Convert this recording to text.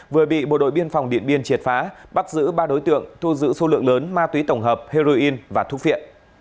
vừa bị bộ đội biên phòng điện biên triệt phá bắt giữ ba đối tượng thu giữ số lượng lớn ma túy tổng hợp heroin và thuốc viện